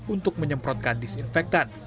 untuk menyemprotkan desinfektan